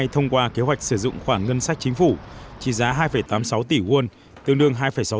thông qua kế hoạch sử dụng khoản ngân sách chính phủ trị giá hai tám mươi sáu tỷ won